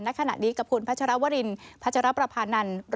ในขณะนี้กับคุณพระชรวรินพระชราบประพานันตร์